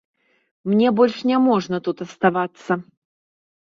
Мне больш няможна тут аставацца.